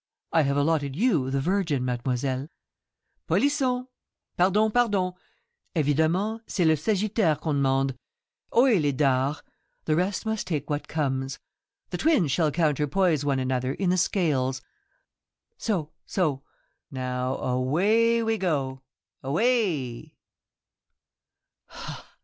I have allotted you the Virgin, mademoiselle.' ... Polisson !'' Pardon, pardon. Evidemment, c'est le Sagittaire qu'on demande. Ohe, les dards ! The rest must take what comes. The Twins shall counterpoise one another in the Scales. So, so. Now away we go, away.'